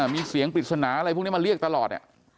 มีเสียงปริศนาอะไรพวกนี้มาเรียกตลอด